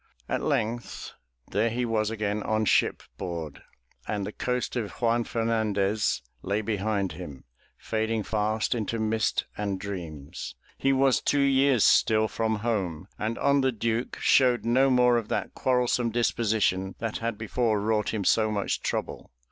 At length there he was again on shipboard and the coast of Juan Fernandez lay behind him, fading fast into mist and dreams. He was two years still from home and on the Duke showed no more of that quarrelsome disposition that had before wrought him so much trouble.